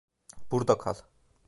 Burada kal.